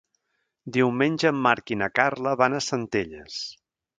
Diumenge en Marc i na Carla van a Centelles.